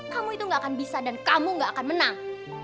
kamu itu gak akan bisa dan kamu gak akan menang